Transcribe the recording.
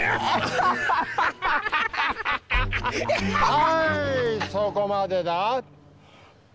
はいそこまでだ！